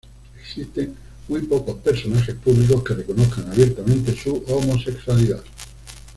Existen muy pocos personajes públicos que reconozcan abiertamente su homosexualidad.